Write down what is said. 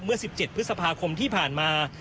เมื่อ๑๗พฤษภาคมที่ผ่านมา